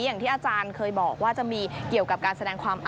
อย่างที่อาจารย์เคยบอกว่าจะมีเกี่ยวกับการแสดงความ